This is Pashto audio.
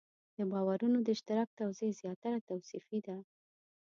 د باورونو د اشتراک توضیح زیاتره توصیفي ده.